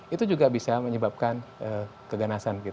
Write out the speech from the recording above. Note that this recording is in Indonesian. itu juga bisa menyebabkan keganasan